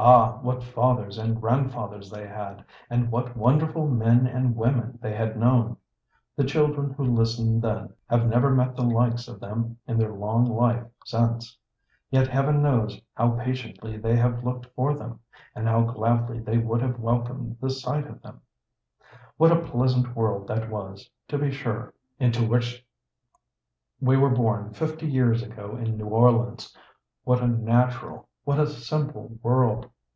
Ah, what fathers and grandfathers they had, and what wonderful men and women they had known! The children who listened then have never met the like of them in their long life since. Yet Heaven knows how patiently they have looked for them, and how gladly they would have welcomed the sight of them. 8 4 THE PLEASANT WAYS OF ST. MEDARD What a pleasant world that was, to be sure, into which we were born fifty years ago in New Orleans; what a natural, what a simple world